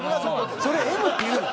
それＭって言うの？